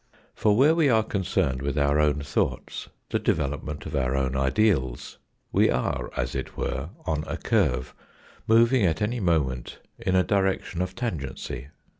For where we are concerned with our own thoughts, the development of our own ideals, we are as it were on a curve, moving at any moment in a direction of tangency.